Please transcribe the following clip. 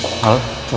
saya suaminya dok